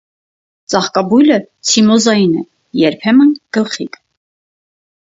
Ծաղկաբույլը ցիմոզային է, երբեմն՝ գլխիկ։